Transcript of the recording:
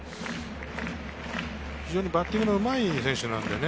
非常にバッティングのうまい選手なんでね。